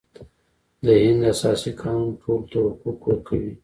د هند اساسي قانون ټولو ته حقوق ورکوي.